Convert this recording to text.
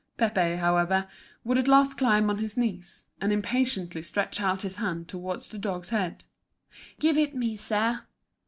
Pépé, however, would at last climb on his knees, and impatiently stretch out his hand towards the dog's head. "Give it me, sir."